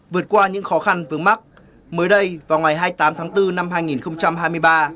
vượt qua những khó khăn vướng mắt mới đây vào ngày hai mươi tám tháng bốn năm hai nghìn hai mươi ba